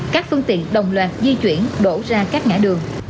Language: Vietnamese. các phương tiện đồng loạt di chuyển đổ ra các ngã đường